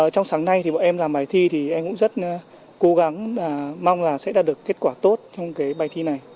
trong sáng nay thì bọn em làm bài thi thì em cũng rất cố gắng và mong là sẽ đạt được kết quả tốt trong cái bài thi này